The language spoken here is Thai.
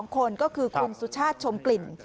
คนก็คือคุณสุชาติชมกลิ่น